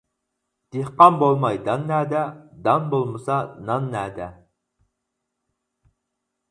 دېھقان بولماي دان نەدە، دان بولمىسا نان نەدە.